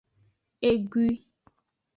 Egui.